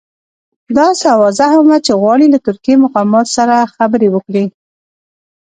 داسې اوازه هم وه چې غواړي له ترکي مقاماتو سره خبرې وکړي.